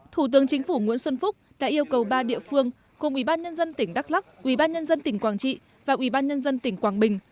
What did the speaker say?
thủ tướng chính phủ nguyễn xuân phúc đã yêu cầu ba địa phương cùng ubnd tỉnh đắk lắc ubnd tỉnh quảng trị và ubnd tỉnh quảng bình